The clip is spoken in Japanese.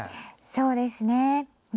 そうですね。